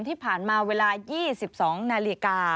ที่ผ่านมาเวลา๒๒นาฬิกา